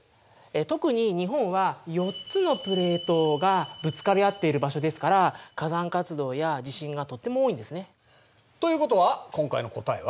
特に日本は４つのプレートがぶつかり合っている場所ですから火山活動や地震がとっても多いんですね。ということは今回の答えは？